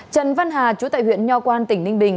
trần văn hà chủ tại huyện nho quang tỉnh ninh bình